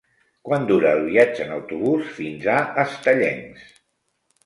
Quant dura el viatge en autobús fins a Estellencs?